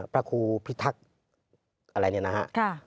พระครูพิทักษ์อะไรเนี่ยนะฮะ